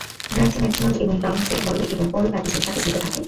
ব্যান্ডটি McDonald এবং Brown, Steve Lowry এবং Paul প্যাটজের সাথে চলতে থাকে।